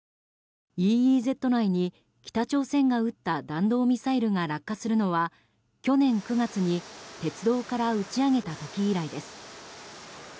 ＥＥＺ内に、北朝鮮が撃った弾道ミサイルが落下するのは去年９月に鉄道から打ち上げた時以来です。